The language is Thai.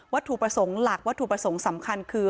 ถูกประสงค์หลักวัตถุประสงค์สำคัญคือ